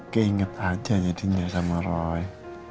keinget aja jadinya sama roy